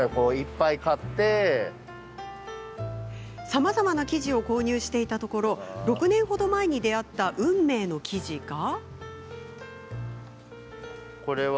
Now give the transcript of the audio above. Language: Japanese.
さまざまな生地を購入していたところ６年ほど前に出会った運命の生地が。